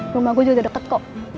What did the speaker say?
rumah gue juga udah deket kok